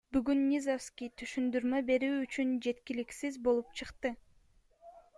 Бүгүн Низовский түшүндүрмө берүү үчүн жеткиликсиз болуп чыкты.